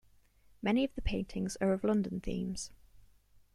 Many of the paintings are of London themes.